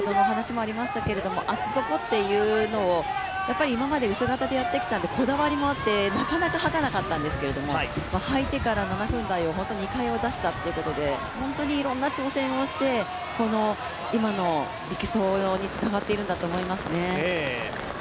やはり今までとは違った長期合宿をしたり、厚底というのを今まで薄型でやってきたんでこだわりもあって、なかなか履かなかったんですけど、履いてから７分台を２回出したということで、本当にいろんな挑戦をして今の力走につながってるんだと思います。